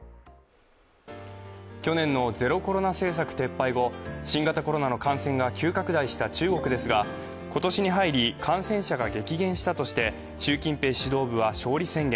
去年のゼロコロナ政策撤廃後、新型コロナの感染が急拡大した中国ですが、今年に入り、感染者が激減したとして、習近平指導部は勝利宣言。